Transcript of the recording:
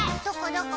どこ？